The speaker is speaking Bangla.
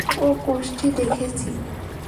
ও কোষ্ঠী দেখেছি।